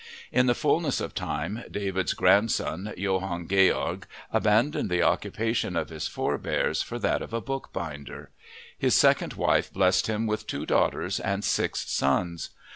In the fullness of time David's grandson, Johann Georg, abandoned the occupation of his forebears for that of a bookbinder. His second wife blessed him with two daughters and six sons.